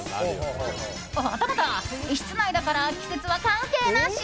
はたまた、室内だから季節は関係なし！